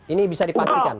ini bisa dipastikan